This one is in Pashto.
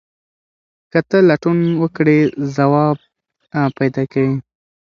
که ته لټون وکړې ځواب پیدا کوې.